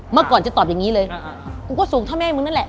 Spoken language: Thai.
เมื่อก่อนจะตอบอย่างนี้เลยกูก็ส่งถ้าแม่มึงนั่นแหละ